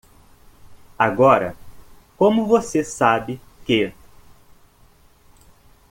Agora, como você sabe que?